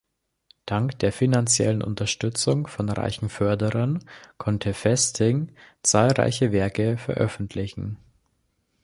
Dank der finanziellen Unterstützung von reichen Förderern konnte Festing zahlreiche Werke veröffentlichen.